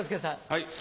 はい。